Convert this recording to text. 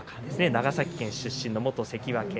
長崎県出身元関脇。